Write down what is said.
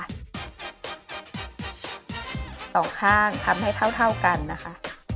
สองข้างทำให้เท่ากันนะคะ